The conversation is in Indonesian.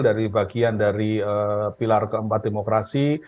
dari bagian dari pilar keempat demokrasi